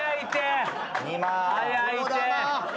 早いって！